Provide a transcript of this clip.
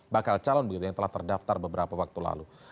bakal calon begitu yang telah terdaftar beberapa waktu lalu